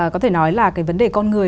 có thể nói là vấn đề con người